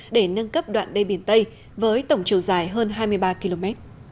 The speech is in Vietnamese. để nâng cấp đoạn đê biển tây với tổng chiều dài hơn hai mươi ba km